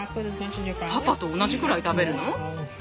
パパと同じくらい食べるの？